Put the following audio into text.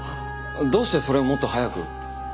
どうしてそれをもっと早く。